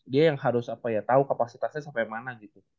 dia yang harus tau kapasitasnya sampai mana gitu